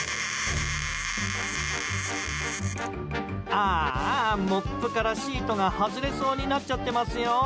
あーあ、モップからシートが外れそうになっちゃってますよ。